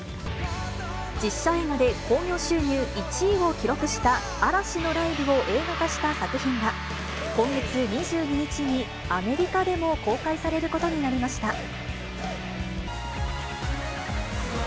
実写映画で興行収入１位を記録した嵐のライブを映画化した作品が、今月２２日に、アメリカでも公開されることになりました。